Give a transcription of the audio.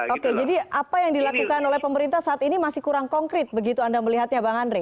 oke jadi apa yang dilakukan oleh pemerintah saat ini masih kurang konkret begitu anda melihatnya bang andre